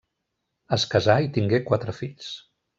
Es casà i tingué quatre fills.